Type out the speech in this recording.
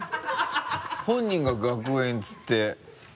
本人が学園って言って。